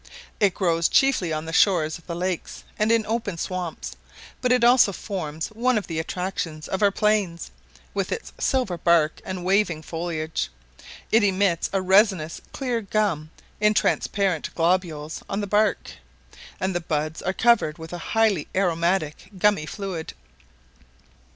It grows chiefly on the shores of the lakes and in open swamps, but it also forms one of the attractions of our plains, with its silver bark and waving foliage; it emits a resinous clear gum in transparent globules on the bark, and the buds are covered with a highly aromatic gummy fluid.